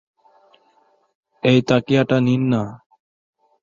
এই তাকিয়াটা নিন-না।